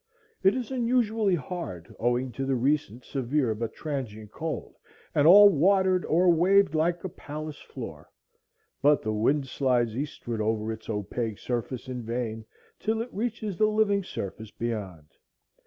It is unusually hard, owing to the recent severe but transient cold, and all watered or waved like a palace floor. But the wind slides eastward over its opaque surface in vain, till it reaches the living surface beyond.